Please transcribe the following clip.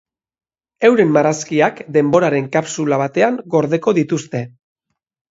Euren marrazkiak denboraren kapsula batean gordeko dituzte.